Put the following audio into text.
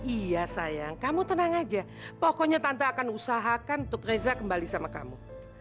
iya sayang kamu tenang aja pokoknya tante akan usahakan untuk reza kembali sama kamu